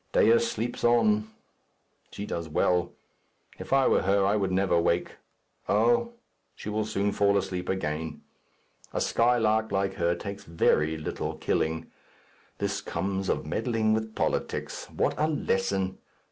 Dea sleeps on. She does well. If I were she I would never awake. Oh! she will soon fall asleep again. A skylark like her takes very little killing. This comes of meddling with politics. What a lesson!